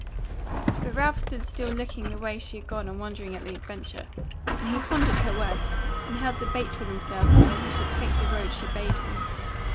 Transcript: But Ralph stood still looking the way she had gone and wondering at the adventure; and he pondered her words and held debate with himself whether he should take the road she bade him.